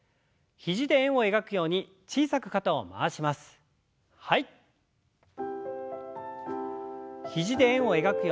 肘で円を描くように小さく肩を回しましょう。